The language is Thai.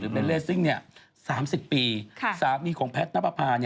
เบนเลสซิ่ง๓๐ปีสามีของแพทย์นับประพา